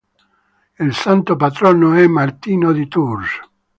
Il santo patrono è Martino di Tours.